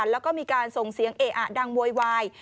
แล้วก็มีการส่งเสียงเออะดังโวยวาย